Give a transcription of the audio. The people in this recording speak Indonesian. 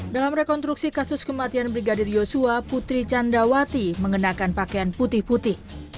dalam rekonstruksi kasus kematian brigadir yosua putri candrawati mengenakan pakaian putih putih